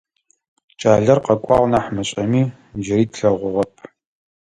Кӏалэр къэкӏуагъ нахь мышӏэми, джыри тлъэгъугъэп.